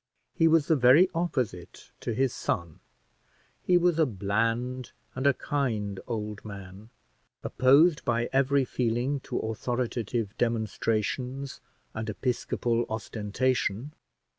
He was the very opposite to his son; he was a bland and a kind old man, opposed by every feeling to authoritative demonstrations and episcopal ostentation.